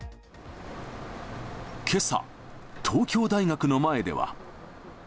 けさ、東京大学の前では。